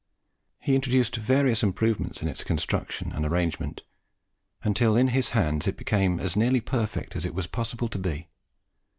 He introduced various improvements in its construction and arrangement, until in his hands it became as nearly perfect as it was possible to be.